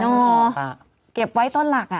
ก็ต้องเก็บไว้ต้นหลัก